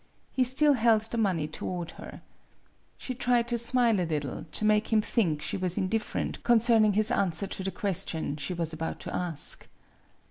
He still held the money toward her. She tried to smile a little, to make him think she was indifferent MADAME BUTTERFLY 77 concerning his answer to the question she was about to ask.